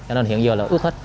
cho nên hiện giờ là ướt hết